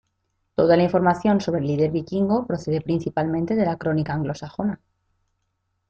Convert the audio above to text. Toda la información sobre el líder vikingo procede principalmente de la crónica anglosajona.